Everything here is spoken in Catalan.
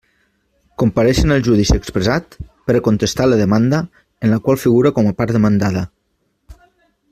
Comparéixer en el judici expressat, per a contestar a la demanda, en la qual figura com a part demandada.